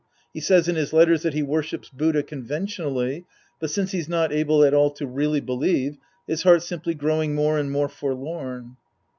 He says in his letters that he worships Buddha conven tionally, but since he's not able at all to really believe, his heart's simply growing more and more forlorn.